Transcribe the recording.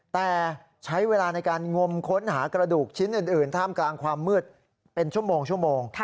แต่ใช้เวลาในการงมค้นหากระดูกชิ้นอื่นท่ามกลางความมืดเป็นชั่วโมงชั่วโมง